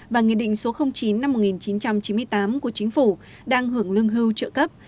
và nghị định số chín năm một nghìn chín trăm chín mươi tám của chính phủ đang hưởng lương hưu trợ cấp